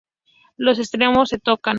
Los extremos se tocan